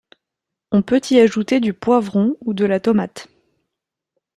On peut y ajouter du poivron ou de la tomate.